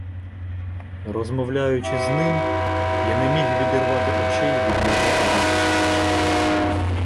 Розмовляючи з ним, я не міг відірвати очей від його обличчя.